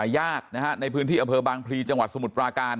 ช่าย่าดนะฮะในพื้นที่อเผอบางพลีจังหวัดสมุทรปลาการ